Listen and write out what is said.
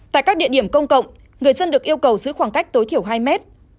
tại các địa điểm công cộng người dân được yêu cầu giữ khoảng cách tối thiểu hai mét